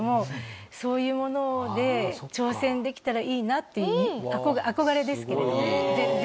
そういうもので挑戦できたらいいなっていう憧れですけれども全然。